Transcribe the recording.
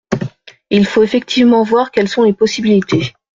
Il faut effectivement voir quelles sont les possibilités.